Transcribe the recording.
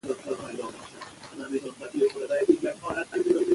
افغانستان د د کابل سیند د ساتنې لپاره قوانین لري.